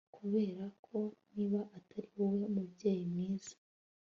kuberako niba atari wowe mubyeyi mwiza